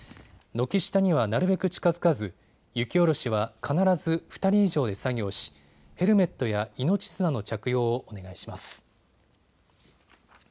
軒下にはなるべく近づかず雪下ろしは必ず２人以上で作業しヘルメットや命綱の着用をお願いします。